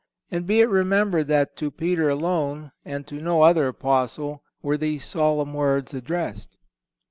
And be it remembered that to Peter alone, and to no other Apostle, were these solemn words addressed.